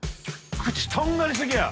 口とんがり過ぎや！